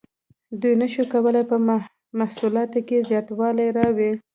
دوی نشو کولی په محصولاتو کې زیاتوالی راولي.